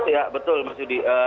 iya betul mas sudi